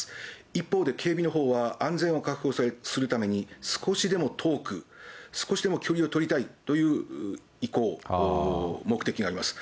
一方で、警備のほうは、安全を確保するために少しでも遠く、少しでも距離を取りたいという意向、目的があります。